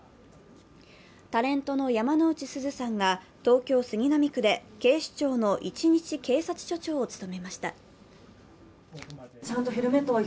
タレントの山之内すずさんが東京・杉並区で警視庁の一日警察署長を務めました。